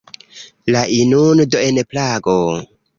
La inundo en Prago.